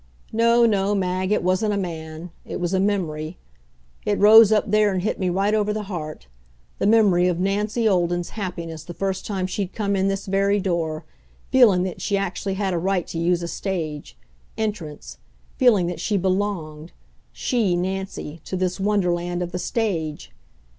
No no, Mag, it wasn't a man. It was a memory. It rose up there and hit me right over the heart the memory of Nancy Olden's happiness the first time she'd come in this very door, feeling that she actually had a right to use a stage: entrance, feeling that she belonged, she Nancy to this wonderland of the stage!